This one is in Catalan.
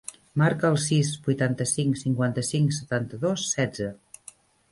Marca el sis, vuitanta-cinc, cinquanta-cinc, setanta-dos, setze.